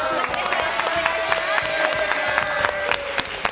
よろしくお願いします。